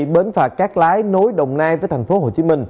bến phà cát lái nối đồng nai với tp hcm